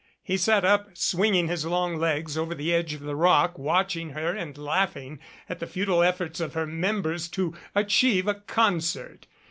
He sat up, swinging his long legs over the edge of the rock, watching her and laughing at the futile efforts of her members to achieve a concert.